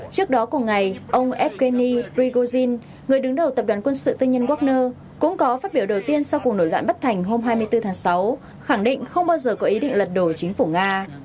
trước đó cùng ngày ông eveni prigozhin người đứng đầu tập đoàn quân sự tư nhân wagner cũng có phát biểu đầu tiên sau cuộc nổi loạn bất thành hôm hai mươi bốn tháng sáu khẳng định không bao giờ có ý định lật đổ chính phủ nga